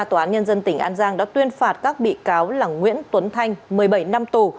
tòa án nhân dân tỉnh an giang đã tuyên phạt các bị cáo là nguyễn tuấn thanh một mươi bảy năm tù